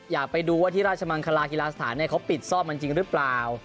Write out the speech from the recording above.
อยากไปดูว่าที่ราชมังคลากีฬาสถานเขาปิดซ่อมมันจริงหรือเปล่า